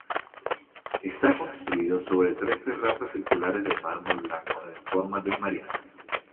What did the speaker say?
Está construido sobre tres terrazas circulares de mármol blanco en forma de Mariana.